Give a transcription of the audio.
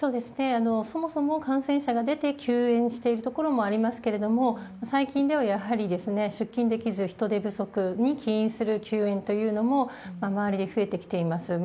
そもそも感染者が出て休園している所もありますけれども、最近ではやはり出勤できず人手不足に起因する休園というのも、周りに増えてきています。